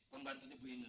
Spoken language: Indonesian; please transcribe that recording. pembantu ini bu ine